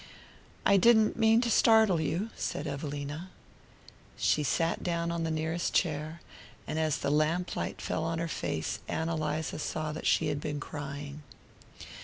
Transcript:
"I didn't mean to startle you," said Evelina. She sat down on the nearest chair, and as the lamp light fell on her face Ann Eliza saw that she had been crying.